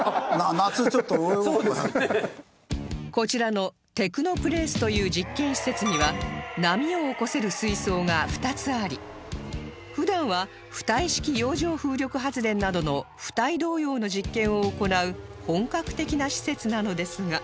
こちらのテクノプレースという実験施設には波を起こせる水槽が２つあり普段は浮体式洋上風力発電などの浮体動揺の実験を行う本格的な施設なのですが